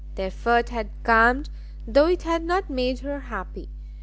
The effort had calmed, though it had not made her happy.